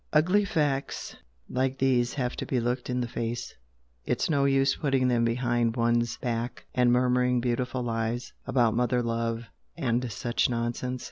Ugly facts like these have to be looked in the face it's no use putting them behind one's back, and murmuring beautiful lies about 'mother love' and such nonsense.